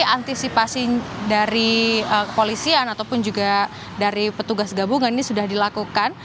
antisipasi dari kepolisian ataupun juga dari petugas gabungan ini sudah dilakukan